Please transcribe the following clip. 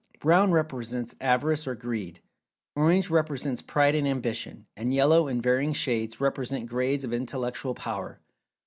Brown represents Avarice or Greed. Orange represents Pride and Ambition; and Yellow, in varying shades, represents grades of Intellectual Power.